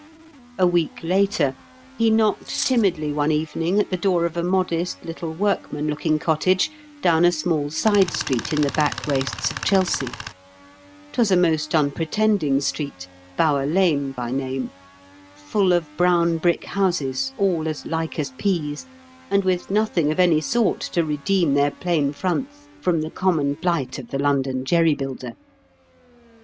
A week later, he knocked timidly one evening at the door of a modest little workman looking cottage, down a small side street in the back wastes of Chelsea. 'Twas a most unpretending street; Bower Lane by name, full of brown brick houses, all as like as peas, and with nothing of any sort to redeem their plain fronts from the common blight of the London jerry builder.